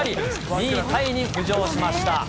２位タイに浮上しました。